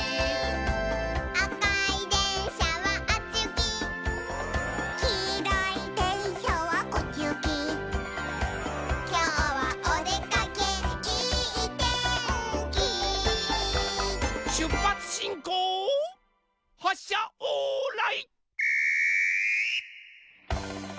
「あかいでんしゃはあっちゆき」「きいろいでんしゃはこっちゆき」「きょうはおでかけいいてんき」しゅっぱつしんこうはっしゃオーライ。